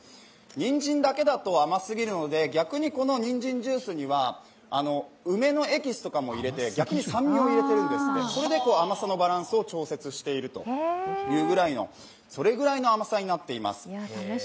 にんじんだけだと甘すぎるので、逆ににんじんジュースには梅のエキスとかも入れて酸味を入れているんですって、それで甘さのバランスを調節しているというぐらいの、それぐらいの甘さになっています。